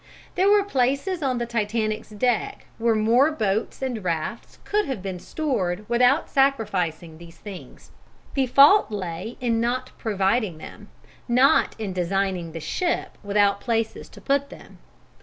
There were places on the Titanic's deck where more boats and rafts could have been stored without sacrificing these things. The fault lay in not providing them, not in designing the ship without places to put them.